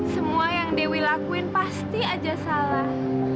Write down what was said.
semua yang dewi lakuin pasti aja salah